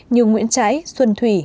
như nguyễn trái xuân thủy